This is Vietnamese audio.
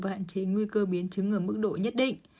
và hạn chế nguy cơ biến chứng ở mức độ nhất định